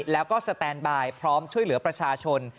แล้วก็สแตนบายพร้อมช่วยเหลือประชาชน